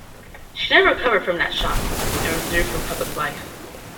She never recovered from that shock, and withdrew from public life.